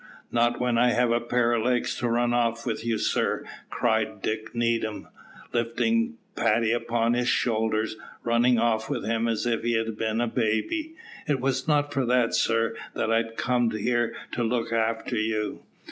"Not when I have a pair of legs to run off with you, sir," cried Dick Needham, lifting Paddy upon his shoulders, running off with him as if he had been a baby. "It was not for that, sir, that I comed here to look after you."